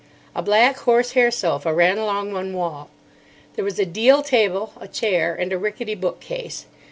A black horse hair sofa ran along one wall. There was a deal table, a chair, and a rickety bookcase.